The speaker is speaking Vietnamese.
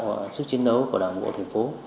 và sức chiến đấu của đảng bộ thành phố